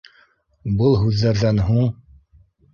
Был һүҙҙәрҙән һуң